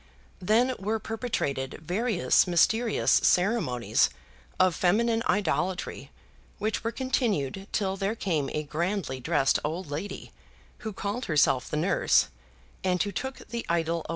Then were perpetrated various mysterious ceremonies of feminine idolatry which were continued till there came a grandly dressed old lady, who called herself the nurse, and who took the idol away.